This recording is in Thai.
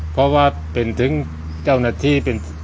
เพราะว่าเป็นถึงเจ้าหน้าที่เป็น